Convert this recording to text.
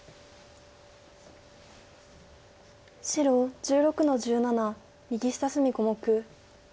白１６の十七右下隅小目。